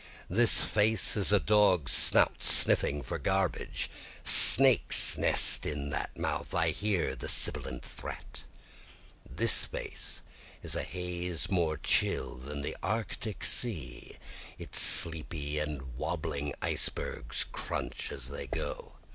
This face is a dog's snout sniffing for garbage, Snakes nest in that mouth, I hear the sibilant threat. This face is a haze more chill than the arctic sea, Its sleepy and wobbling icebergs crunch as they go.